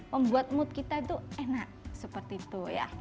membuat mood kita itu enak seperti itu ya